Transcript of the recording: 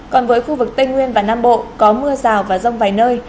còn với khu vực tây nguyên và nam bộ có mưa rào và rông vài nơi